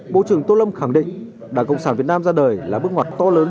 bộ trưởng tô lâm khẳng định đảng cộng sản việt nam ra đời là bước ngoặt to lớn